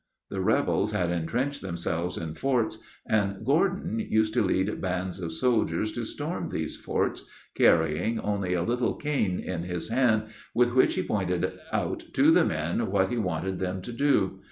The rebels had entrenched themselves in forts, and Gordon used to lead bands of soldiers to storm these forts, carrying only a little cane in his hand, with which he pointed out to the men what he wanted them to do.